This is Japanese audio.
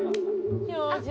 表情。